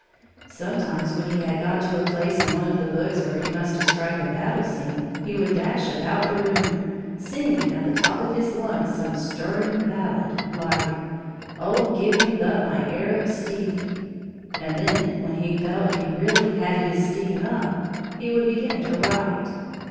Sometimes when he had got to a place in one of the books where he must describe a battle scene, he would dash about the room, singing at the top of his lungs some stirring ballad like: "Oh, give me but my Arab steed!" And then when he felt he really "had his steam up" he would begin to write.